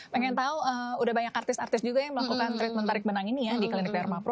pengen tahu udah banyak artis artis juga yang melakukan treatment tarik menang ini ya di klinik pharma pro